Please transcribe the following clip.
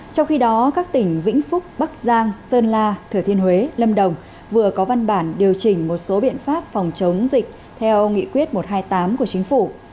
trong khi đó các tỉnh vĩnh phúc bắc giang sơn la thừa thiên huế lâm đồng vừa có văn bản điều chỉnh một số biện pháp phòng chống dịch theo nghị quyết một trăm hai mươi tám của chính phủ